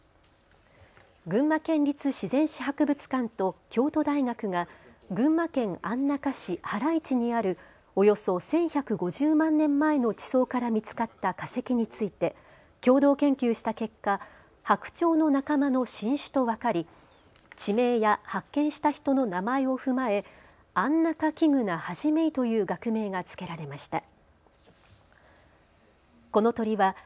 群馬県立自然史博物館と京都大学が群馬県安中市原市にあるおよそ１１５０万年前の地層から見つかった化石について共同研究した結果、白鳥の仲間の新種と分かり地名や発見した人の名前を踏まえアンナカキグナハジメイという学名がつけられました。